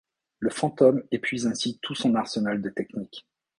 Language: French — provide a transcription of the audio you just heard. Le fantôme épuise ainsi tout son arsenal de techniques.